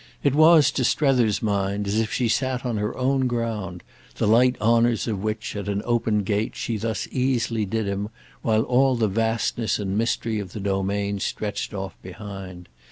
It was, to Strether's mind, as if she sat on her own ground, the light honours of which, at an open gate, she thus easily did him, while all the vastness and mystery of the domain stretched off behind.